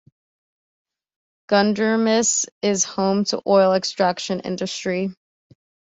Gudermes is home to oil extraction industry.